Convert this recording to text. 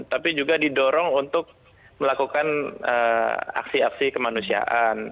tapi juga didorong untuk melakukan aksi aksi kemanusiaan